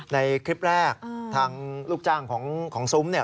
ในคลิปแรกทางลูกจ้างของซุ้มเนี่ย